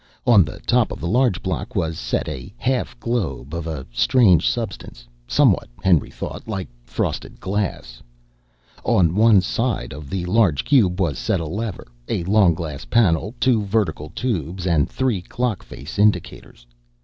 On the top of the large block was set a half globe of a strange substance, somewhat, Henry thought, like frosted glass. On one side of the large cube was set a lever, a long glass panel, two vertical tubes and three clock face indicators.